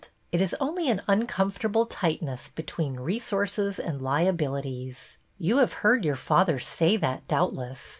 It is only an uncomfortable tightness between resources and liabilities. You have heard your father say that, doubtless.